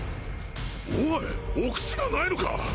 おォいお口がないのか！？